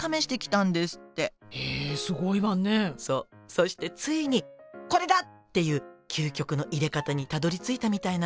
そしてついに「これだ！」っていう究極のいれ方にたどりついたみたいなの。